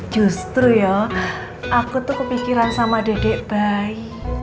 justru ya aku tuh kepikiran sama dedek bayi